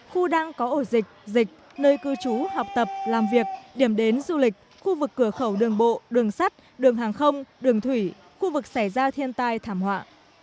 khu đang có ổ dịch dịch nơi cư trú học tập làm việc điểm đến du lịch khu vực cửa khẩu đường bộ đường sắt đường hàng không đường thủy khu vực xảy ra thiên tai thảm họa